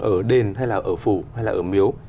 ở đền hay là ở phủ hay là ở miếu